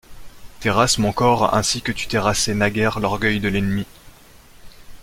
Terrasse mon corps ainsi que tu terrassais naguère l'orgueil de l'ennemi.